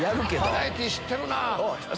バラエティー知ってるな。